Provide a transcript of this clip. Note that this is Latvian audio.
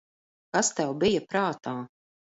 Kas tev bija prātā?